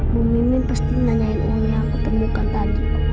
bu mimin pasti nanyain uang yang aku temukan tadi